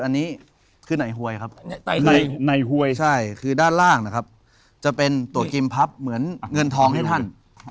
อันนี้คือไหนหวยครับในหวยใช่คือด้านล่างนะครับจะเป็นตัวกิมพับเหมือนเงินทองให้ท่าน